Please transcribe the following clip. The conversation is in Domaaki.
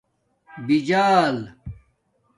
بیجال